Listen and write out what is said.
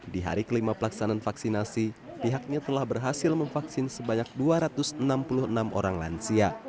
di hari kelima pelaksanaan vaksinasi pihaknya telah berhasil memvaksin sebanyak dua ratus enam puluh enam orang lansia